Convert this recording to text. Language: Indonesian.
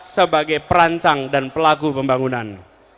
sebagai perancang dan pelaku pembangunan